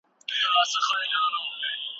الله تعالی چا ته برخه ټاکلې ده؟